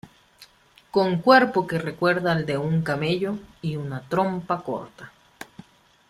Con cuerpo que recuerda al de un camello y una trompa corta.